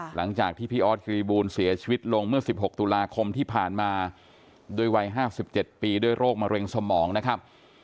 หลังจากที่พี่ออสกิริบูลเสียชีวิตลงเมื่อสิบหกตุลาคมที่ผ่านมาโดยวัยห้าสิบเจ็ดปีโดยโรคมะเร็งสมองนะครับ